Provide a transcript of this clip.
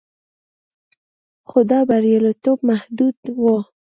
خو دا بریالیتوب محدود و